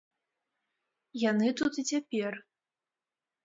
Яны тут і цяпер.